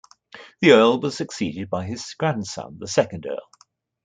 The Earl was succeeded by his grandson, the second Earl.